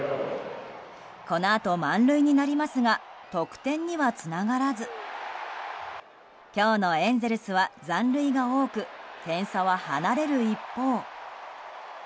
このあと、満塁になりますが得点にはつながらず今日のエンゼルスは残塁が多く点差は離れる一方。